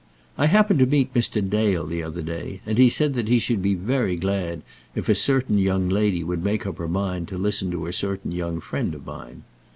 I happened to meet Mr. Dale the other day, and he said that he should be very glad if a certain young lady would make up her mind to listen to a certain young friend of mine.